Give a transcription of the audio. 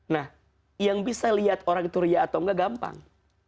nah yang bisa lihat orang itu ria atau nggak gampang